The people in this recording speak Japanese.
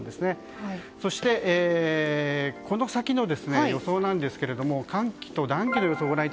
そして、この先の予想ですが寒気と暖気の予想です。